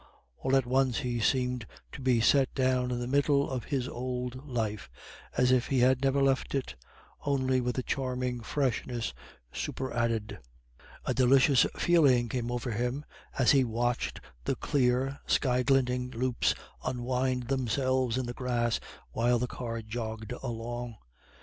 All at once he seemed to be set down in the middle of his old life as if he had never left it, only with a charming freshness superadded. A delicious feeling came over him as he watched the clear, sky glinting loops unwind themselves in the grass while the car jogged along.